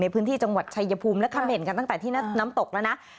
ในพื้นที่จังหวัดชายภูมิและคำเห็นกันตั้งแต่ที่น้ำตกแล้วนะ